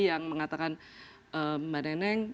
yang mengatakan mbak neneng